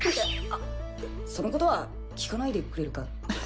うっそのことは聞かないでくれるか？